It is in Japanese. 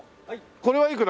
これはいくら？